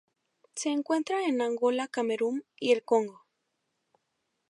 Se encuentra en Angola Camerún y el Congo.